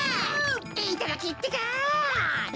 いただきってか。